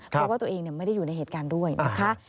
เพราะว่าตัวเองไม่ได้อยู่ในเหตุการณ์ด้วยนะคะ